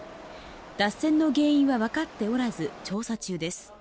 脱線の原因はわかっておらず調査中です。